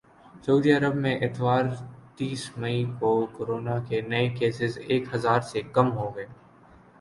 سعودی عرب میں اتوار تیس مئی کو کورونا کے نئے کیسز ایک ہزار سے کم ہوگئے